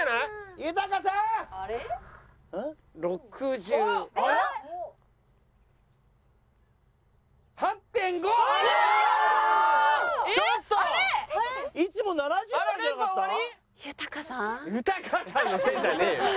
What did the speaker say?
豊さんのせいじゃねえよ。